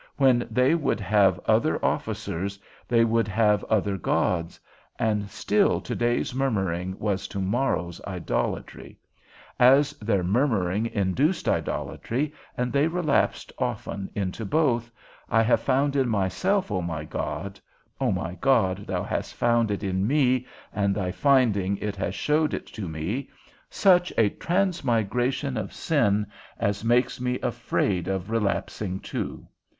When they would have other officers, they would have other gods; and still to day's murmuring was to morrow's idolatry; as their murmuring induced idolatry, and they relapsed often into both, I have found in myself, O my God (O my God, thou hast found it in me, and thy finding it hast showed it to me) such a transmigration of sin, as makes me afraid of relapsing too.